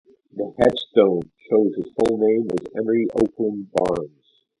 The headstone shows his full name as Emery Oakland Barnes.